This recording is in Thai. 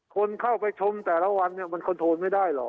คนเข้าไปชมแต่ละวันเนี่ยมันคอนโทรไม่ได้หรอก